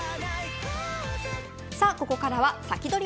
ここからはサキドリ！